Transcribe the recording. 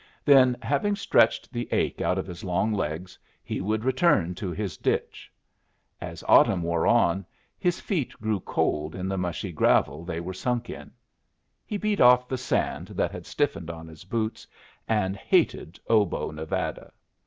Then, having stretched the ache out of his long legs, he would return to his ditch. As autumn wore on, his feet grew cold in the mushy gravel they were sunk in. He beat off the sand that had stiffened on his boots, and hated Obo, Nevada.